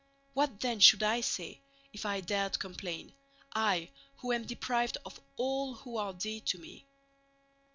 What then should I say, if I dared complain, I who am deprived of all who are dear to me?